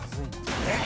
えっ。